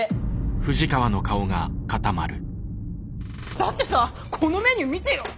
だってさこのメニュー見てよ。